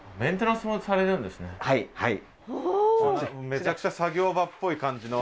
めちゃくちゃ作業場っぽい感じの。